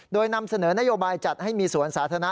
โดยนำเสนอนโยบายจัดให้มีสวนสาธารณะ